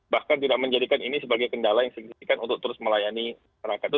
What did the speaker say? bahkan tidak menjadikan ini sebagai kendala yang signifikan untuk terus melayani masyarakat itu